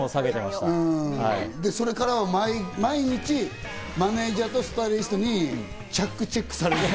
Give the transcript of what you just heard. で、それからは毎日マネジャーとスタイリストにチャックチェックされてる。